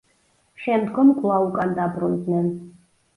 შემდგომ კვლავ უკან დაბრუნდნენ.